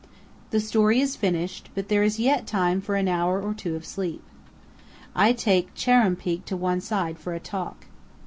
The story is finished, but there is yet time for an hour or two of sleep. I take Chuar'ruumpeak to one side for a talk.